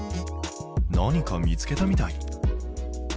何か見つけたみたい。